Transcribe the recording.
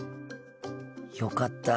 よかった。